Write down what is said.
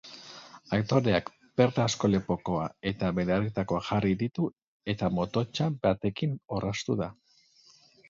Aktoreak perlazko lepokoa eta belarritakoak jarri ditu eta mototsa batekin orraztu da.